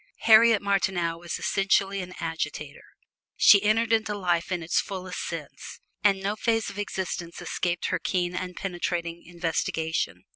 Harriet Martineau was essentially an agitator. She entered into life in its fullest sense, and no phase of existence escaped her keen and penetrating investigation.